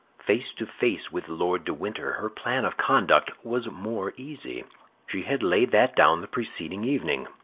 Face to face with Lord de Winter her plan of conduct was more easy. She had laid that down the preceding evening.